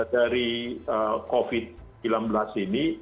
dari covid sembilan belas ini